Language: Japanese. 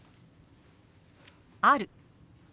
「ある」。